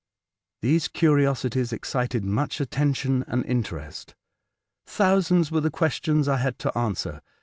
These curiosities excited much attention and interest. Thousands were the questions I had to answer.